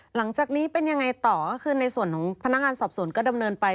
หลังจากนี้เป็นยังไงต่อก็คือในส่วนของพนักงานสอบสวนก็ดำเนินไป